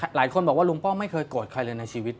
หลายคนบอกว่าลุงป้อมไม่เคยโกรธใครเลยในชีวิต